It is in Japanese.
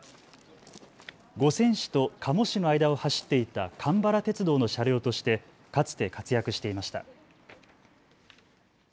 五泉市と加茂市の間を走っていた蒲原鉄道の車両としてかつて活躍していました。